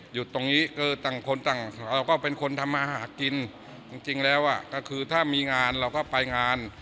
ตรงนี้คือต่างคนต่างเราก็เป็นคนทำมาหากินจริงแล้วอ่ะก็คือถ้ามีงานเราก็ไปงาน